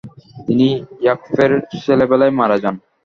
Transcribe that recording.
তিনি ইয়াকপের ছেলেবেলায় মারা যান।